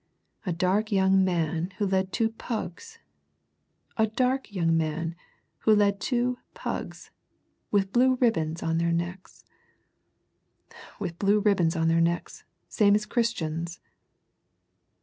"A dark young man who led two pugs a dark young man who led two pugs! With blue ribbons on their necks with blue ribbons on their necks, same as Christians!"